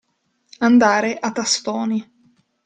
Andare a tastoni.